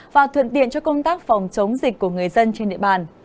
và thuận tiện cho công tác phòng chống dịch của người dân trên địa bàn